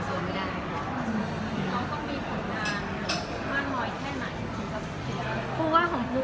ต้องมีผลงานมากมีแค่ไหนของคุณ